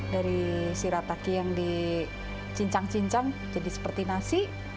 dari sirataki yang dicincang cincang jadi seperti nasi